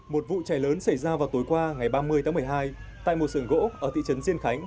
một vụ cháy lớn xảy ra vào tối qua ngày ba mươi tháng một mươi hai tại một sưởng gỗ ở thị trấn diên khánh